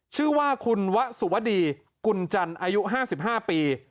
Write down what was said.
ชื่อว่าคุณวะสุวดีกุญจันทร์อายุ๕๕ปี